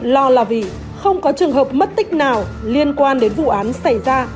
lo là vì không có trường hợp mất tích nào liên quan đến vụ án xảy ra